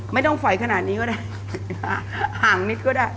ไม่ต้องฝอยขนาดนี้ก็ได้ห่างนิดก็ได้